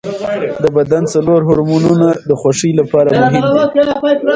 د بدن څلور هورمونونه د خوښۍ لپاره مهم دي.